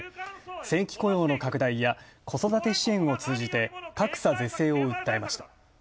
正規雇用の拡大や子育て支援を通じて格差是正を訴えました。